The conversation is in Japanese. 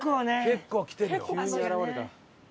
結構きてるよ。